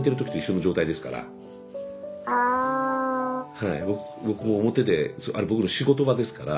はい僕も表であれ僕の仕事場ですから。